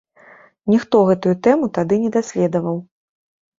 Ніхто гэтую тэму тады не даследаваў.